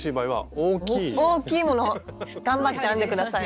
大きいものを頑張って編んで下さい。